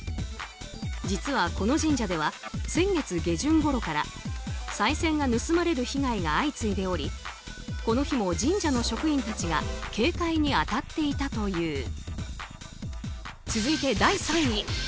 実は、この神社では先月下旬ごろからさい銭が盗まれる被害が相次いでおりこの日も神社の職員たちが警戒に当たっていたという。